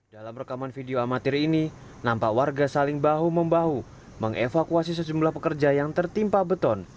dalam rekaman video amatir ini nampak warga saling bahu membahu mengevakuasi sejumlah pekerja yang tertimpa beton